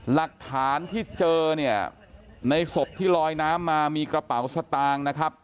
หลักฐานที่เจอเนี่ยในศพที่ลอยน้ำมามีกระเป๋าสตางค์นะครับ